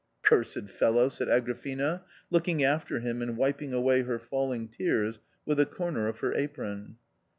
" Cursed fellow !" said Agrafena, looking after him and wiping away her falling tears with a corner of her apron.